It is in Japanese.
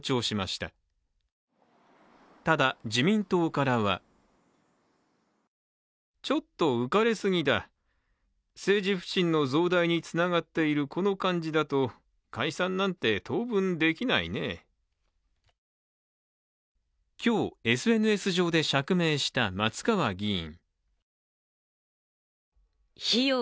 ただ、自民党からは今日、ＳＮＳ上で釈明した松川議員。